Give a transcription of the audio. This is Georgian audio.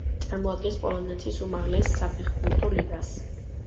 წარმოადგენს პოლონეთის უმაღლეს საფეხბურთო ლიგას.